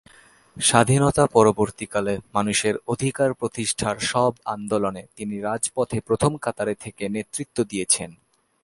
স্বাধীনতা পরবর্তীকালে মানুষের অধিকার প্রতিষ্ঠার সব আন্দোলনে তিনি রাজপথে প্রথম কাতারে থেকে নেতৃত্ব দিয়েছেন।